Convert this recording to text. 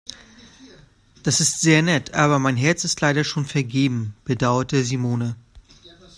Das ist sehr nett, aber mein Herz ist leider schon vergeben, bedauerte Simone.